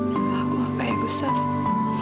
salah aku apa ya gustaf